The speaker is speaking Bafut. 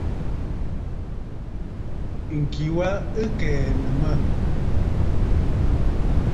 Ŋ̀ki wa ɨ kɛ̀ɛ̀nə̀ mə̂.